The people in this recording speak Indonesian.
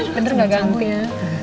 bener gak gantinya